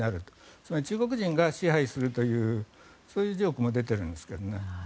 つまり中国人が支配するとそういうジョークも出ているんですけどね。